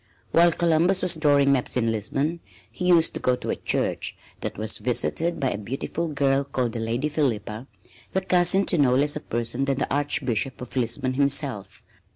While Columbus was drawing maps in Lisbon, he used to go to a church that was visited by a beautiful girl called the Lady Philippa, the cousin to no less a person than the Archbishop of Lisbon himself.